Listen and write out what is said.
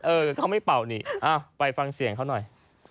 เขาไม่เป่านี่ไปฟังเสียงเขาหน่อย